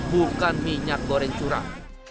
bukan minyak goreng curah